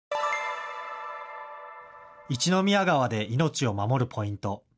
一宮川で命を守るポイント。